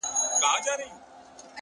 o هغه ولس چي د ـ